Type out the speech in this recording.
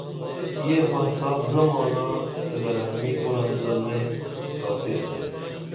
یہ فساد زمانا صلی رحمی کُرنتہ مئیس کاتی درو